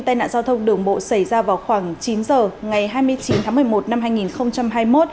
tai nạn giao thông đường bộ xảy ra vào khoảng chín giờ ngày hai mươi chín tháng một mươi một năm hai nghìn hai mươi một